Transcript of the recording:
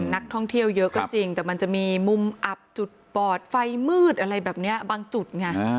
นักท่องเที่ยวเยอะก็จริงแต่มันจะมีมุมอับจุดปอดไฟมืดอะไรแบบนี้บางจุดไง